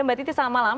mbak titi selamat malam